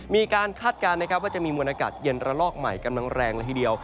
คาดการณ์นะครับว่าจะมีมวลอากาศเย็นระลอกใหม่กำลังแรงละทีเดียว